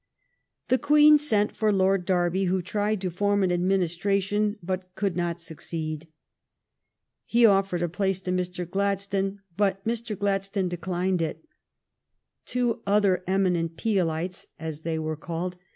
The Queen sent for Lord Derby, who tried to form an administration, but could not succeed. He offered a place to Mr. Gladstone, but Mr. Glad stone declined it. Two other eminent " Peelites," as they were called.